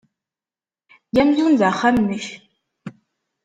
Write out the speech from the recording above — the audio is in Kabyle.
Eg amzun d axxam-nnek.